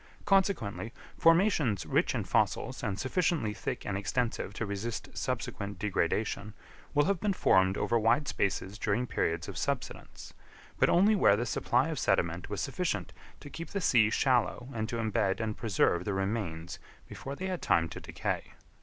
Consequently, formations rich in fossils and sufficiently thick and extensive to resist subsequent degradation, will have been formed over wide spaces during periods of subsidence, but only where the supply of sediment was sufficient to keep the sea shallow and to embed and preserve the remains before they had time to decay.